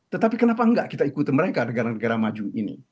tetapi kenapa enggak kita ikuti mereka negara negara maju ini